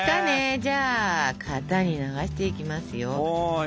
じゃあ型に流していきますよ。